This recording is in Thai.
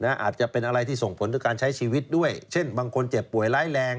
อาจจะเป็นอะไรที่ส่งผลต่อการใช้ชีวิตด้วยเช่นบางคนเจ็บป่วยร้ายแรง